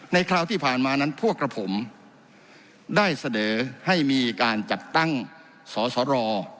คราวที่ผ่านมานั้นพวกกับผมได้เสนอให้มีการจัดตั้งสสร